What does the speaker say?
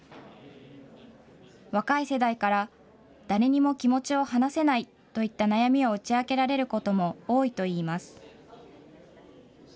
若い世代から、誰にも気持ちを話せないといった悩みを打ち明けられることも多いといいます。